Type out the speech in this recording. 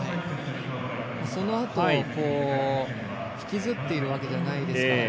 そのあと引きずっているわけじゃないですからね。